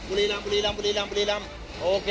บุรีรำบุรีรำบุรีรำบุรีรำโอเค